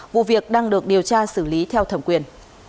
vụ việc đang được điều tra xử lý theo thẩm quyền